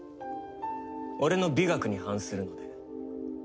俺の美学に反するので。